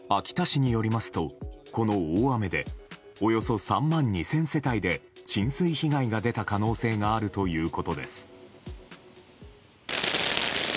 秋田市によりますとこの大雨でおよそ３万２０００世帯で浸水被害が出た可能性があるということです。